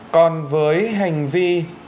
còn với hành vi